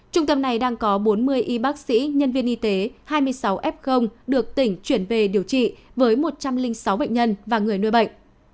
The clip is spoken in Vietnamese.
trung tâm này đang có bốn mươi y bác sĩ nhân viên y tế hai mươi sáu f được tỉnh chuyển về điều trị với một trăm linh sáu bệnh nhân và người nuôi bệnh